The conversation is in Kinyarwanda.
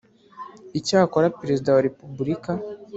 icyakora perezida wa repubulika